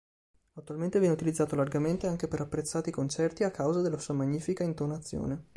Attualmente viene utilizzato largamente anche per apprezzati concerti a causa della sua magnifica intonazione.